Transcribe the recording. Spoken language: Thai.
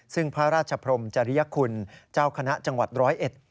ซึ่งพระราชพรมจริยคุณเจ้าคณะจังหวัดร้อยเอ็ด